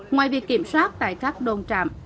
ngoài việc kiểm soát tại các đôn trạm